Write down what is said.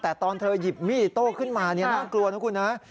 แต่ตอนเธอหยิบมีดอิโต้ขึ้นมาน่ากลัวนะคุณนะ